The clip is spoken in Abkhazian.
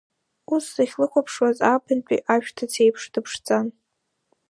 Ус сахьлыхәаԥшуаз, ааԥынтәи ашәҭыц еиԥш дыԥшӡан.